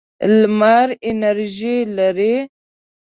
لمر انرژي لري.